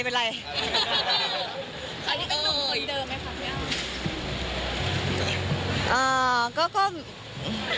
เค้าต้องเป็นหนุ่มคนเดิมไหมคะ